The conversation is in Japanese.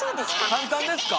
簡単ですか？